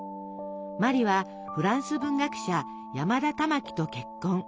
茉莉はフランス文学者山田珠樹と結婚。